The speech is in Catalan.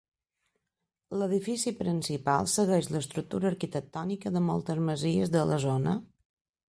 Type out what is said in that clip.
L'edifici principal segueix l'estructura arquitectònica de moltes masies de la zona.